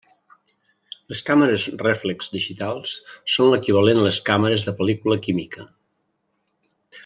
Les càmeres rèflex digitals són l'equivalent a les càmeres de pel·lícula química.